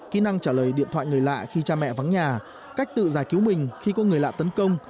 kỹ năng trả lời điện thoại người lạ khi cha mẹ vắng nhà cách tự giải cứu mình khi có người lạ tấn công